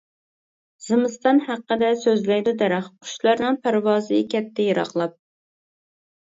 زىمىستان ھەققىدە سۆزلەيدۇ دەرەخ، قۇشلارنىڭ پەرۋازى كەتتى يىراقلاپ.